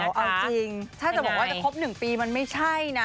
เอาจริงถ้าจะบอกว่าจะครบ๑ปีมันไม่ใช่นะ